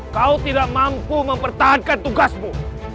kau tidak mampu mempertahankan tugasmu